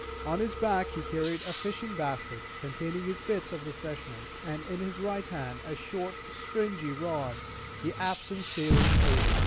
On his back he carried a fishing basket, containing his bits of refreshment; and in his right hand a short springy rod, the absent sailor's favorite.